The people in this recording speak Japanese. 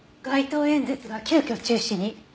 街頭演説が急きょ中止に？